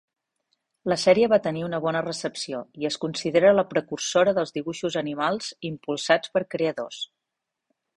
La sèrie va tenir una bona recepció i es considera la precursora dels dibuixos animals impulsats per creadors.